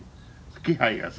気配がする。